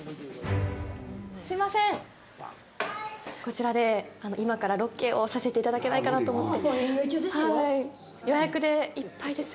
すみません、こちらで今からロケをさせていただけないかなと思って。